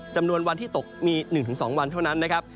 จำนวนวันที่ตกมี๑๒วันเท่านั้นนะครับ